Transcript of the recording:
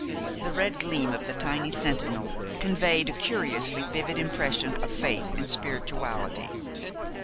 The red gleam of the tiny sentinel conveyed a curiously vivid impression of faith and spirituality.